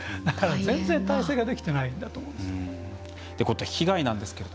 だから全然、体制ができてないんだと思うんですよ。